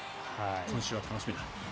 今週は楽しみだ。